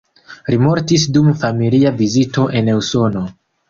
Li mortis dum familia vizito en Usono.